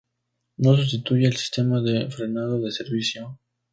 No sustituye el sistema de frenado de servicio.